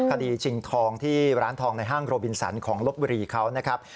ชิงทองที่ร้านทองในห้างโรบินสันของลบบุรีเขานะครับ